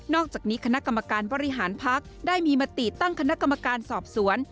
อกจากนี้คณะกรรมการบริหารพักได้มีมติตั้งคณะกรรมการสอบสวน